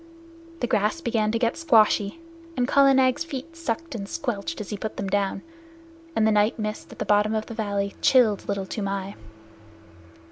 The grass began to get squashy, and Kala Nag's feet sucked and squelched as he put them down, and the night mist at the bottom of the valley chilled Little Toomai.